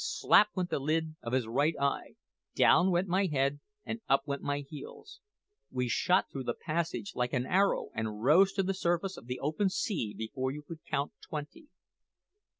Slap went the lid of his right eye; down went my head, and up went my heels. We shot through the passage like an arrow, and rose to the surface of the open sea before you could count twenty.